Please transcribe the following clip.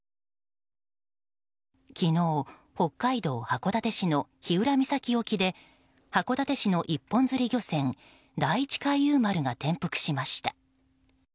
昨日、北海道函館市の日浦岬沖で函館市の一本釣り漁船「第一海友丸」が転覆しました。